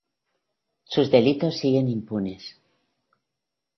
Sus delitos siguen impunes.